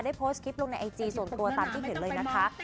โพสต์คลิปลงในไอจีส่วนตัวตามที่เห็นเลยนะคะ